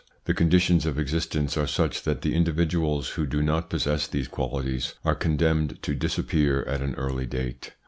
The conditions of existence are such that the individuals who do not possess these qualities are condemned to disappear at an early date.